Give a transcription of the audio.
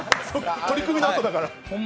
取組のあとだから。